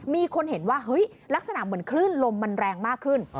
มีคนเห็นว่าเฮ้ยลักษณะเหมือนคลื่นลมมันแรงมากขึ้น